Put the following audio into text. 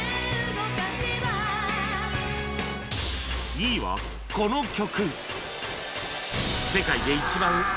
２位はこの曲